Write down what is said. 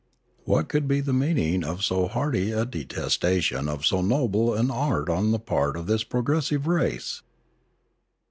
What could be the meaning of so hearty a detestation of so noble an art on the part of this progressive race